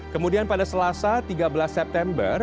kemudian pada selasa tiga belas september